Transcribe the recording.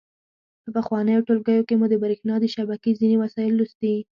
په پخوانیو ټولګیو کې مو د برېښنا د شبکې ځینې وسایل لوستي.